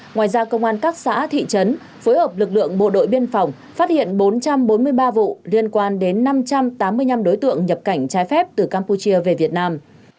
ngoài ra công an các xã thị trấn phối hợp lực lượng bộ đội biên phòng phát hiện bốn trăm bốn mươi ba vụ liên quan đến năm trăm tám mươi năm đối tượng nhập cảnh trái phép từ campuchia về việt nam